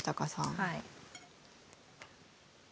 はい。